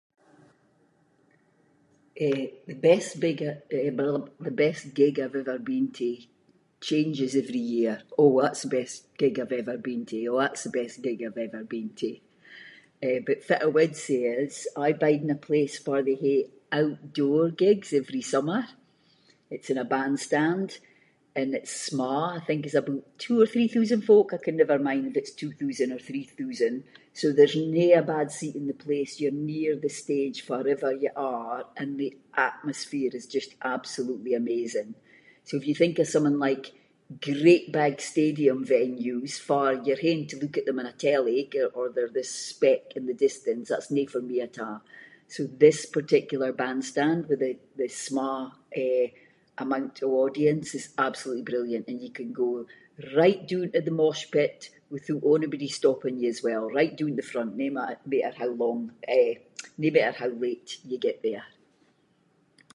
Eh the best big [inc]- the best gig I’ve ever been to changes every year. Oh, that’s the best gig I’ve ever been to, oh, that’s the best gig I’ve ever been to. Eh but fitt I would say is I bide in a place farr they hae outdoor gigs every summer, it’s in a band stand, and it’s sma', I think it’s aboot two or three thousand folk, I can never mind if its two thousand or three thousand. So there’s nae a bad seat in the place, you’re near the stage farrever you are and the atmosphere is just absolutely amazing. So if you think of something like, great big stadium venues, farr you’re haeing to look at them on a telly, getting over the speck in the distance, that’s nae for me at a’, so this particular bandstand with the- the sma', eh, amount of audience is absolutely brilliant, and you can go right doon to the mosh pit withoot onybody stopping you as well, right doon to the front, no matter how long- eh, no matter how late you get there.